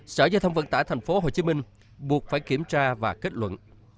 sở giao thông vận tải tp hcm buộc phải kiểm tra và kết luận